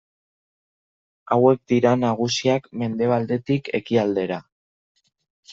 Hauek dira nagusiak mendebaldetik ekialdera.